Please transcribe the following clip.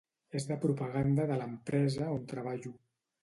És de propaganda de l'empresa on treballo